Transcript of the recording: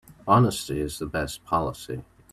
Honesty is the best policy.